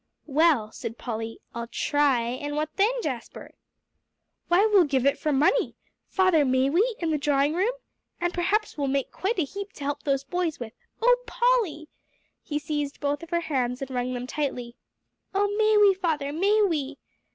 "Well," said Polly, "I'll try; and what then, Jasper?" "Why, we'll give it for money father, may we, in the drawing room? And perhaps we'll make quite a heap to help those boys with. Oh Polly!" He seized both of her hands and wrung them tightly. "Oh, may we, father, may we?"